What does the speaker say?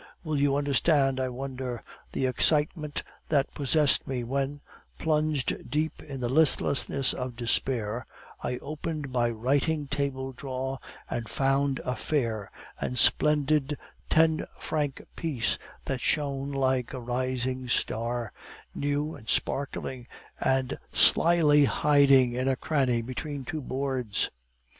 Will you understand, I wonder, the excitement that possessed me when, plunged deep in the listlessness of despair, I opened my writing table drawer, and found a fair and splendid ten franc piece that shone like a rising star, new and sparkling, and slily hiding in a cranny between two boards?